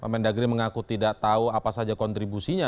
mendagri mengaku tidak tahu apa saja kontribusinya